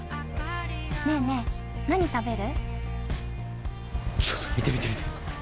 ねえねえ、何食べる？